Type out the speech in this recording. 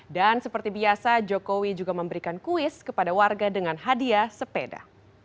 dan seperti biasa jokowi juga memberikan kuis kepada warga dengan hadiah sepeda